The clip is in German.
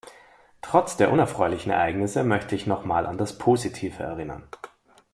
Trotz der unerfreulichen Ereignisse, möchte ich noch mal an das Positive erinnern.